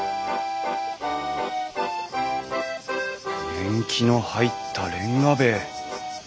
年季の入ったレンガ塀！